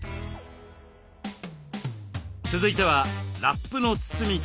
続いてはラップの包み方。